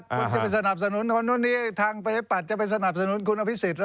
คุณจะไปสนับสนุนคนนู้นนี้ทางพยพบัตรจะไปสนับสนุนคุณอภิสิทธิ์